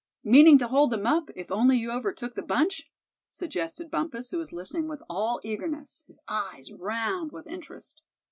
"Meaning to hold them up, if only you overtook the bunch?" suggested Bumpus, who was listening with all eagerness, his eyes round with interest.